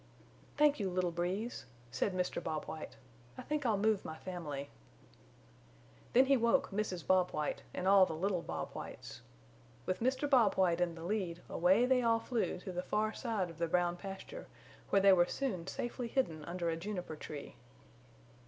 "Thank you, little Breeze," said Mr. Bob White, "I think I'll move my family." Then he woke Mrs. Bob White and all the little Bob Whites. With Mr. Bob White in the lead away they all flew to the far side of the Brown Pasture where they were soon safely hidden under a juniper tree.